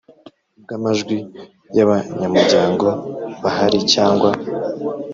bw amajwi y abanyamuryango bahari cyangwa